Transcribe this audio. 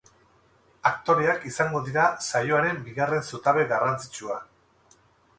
Aktoreak izango dira saioaren bigarren zutabe garrantzitsua.